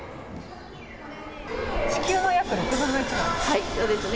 地球の約６分の１なんですね。